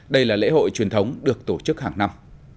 đây là lễ hội truyền thống được tổ chức hàng năm